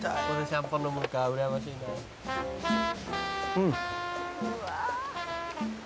うん。